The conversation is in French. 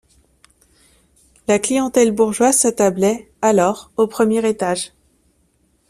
La clientèle bourgeoise s'attablait, alors, au premier étage.